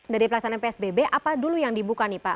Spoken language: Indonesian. dari pelaksanaan psbb apa dulu yang dibuka nih pak